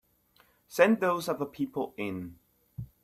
Send those other people in.